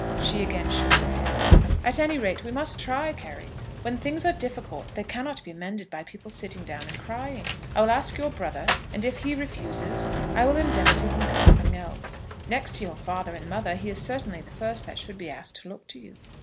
She again shook her head. "At any rate, we must try, Carry. When things are difficult, they cannot be mended by people sitting down and crying. I will ask your brother; and if he refuses, I will endeavour to think of something else. Next to your father and mother, he is certainly the first that should be asked to look to you."